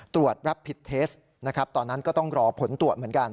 ตรวจรับผิดเทสนะครับตอนนั้นก็ต้องรอผลตรวจเหมือนกัน